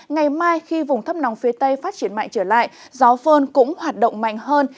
ngày mai khi vùng thấp nóng phía tây phát triển mạnh trở lại gió phơn cũng hoạt động mạnh hơn